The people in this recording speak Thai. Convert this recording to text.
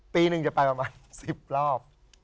ปีหนึ่งจะไปประมาณ๑๐รอบ